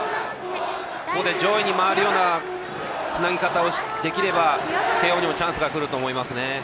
ここで上位に回るようなつなぎ方をできれば慶応にもチャンスがくると思います。